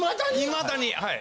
いまだにはい。